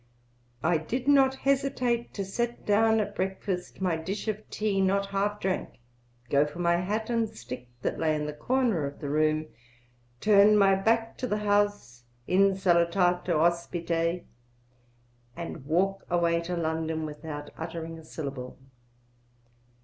I did not hesitate to set down at breakfast my dish of tea not half drank, go for my hat and stick that lay in the corner of the room, turn my back to the house insalutato hospite, and walk away to London without uttering a syllable.'